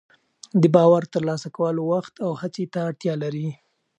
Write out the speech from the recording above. د باور ترلاسه کول وخت او هڅې ته اړتیا لري.